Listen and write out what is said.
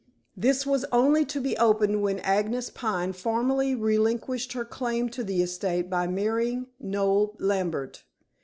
This was only to be opened when Agnes Pine formally relinquished her claim to the estate by marrying Noel Lambert.